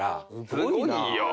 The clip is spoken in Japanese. すごいよ！